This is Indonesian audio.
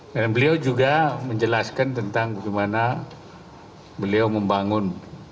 dan beliau juga menjelaskan tentang bagaimana beliau membangun